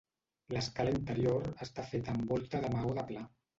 L'escala interior està feta amb volta de maó de pla.